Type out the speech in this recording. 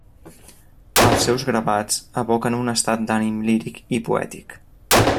Els seus gravats evoquen un estat d'ànim líric i poètic.